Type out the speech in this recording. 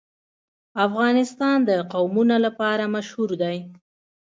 افغانستان د قومونه لپاره مشهور دی.